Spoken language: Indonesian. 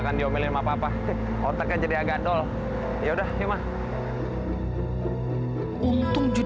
sampai jumpa di video selanjutnya